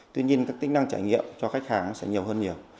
tuy nhiên các tính năng trải nghiệm cho khách hàng sẽ nhiều hơn nhiều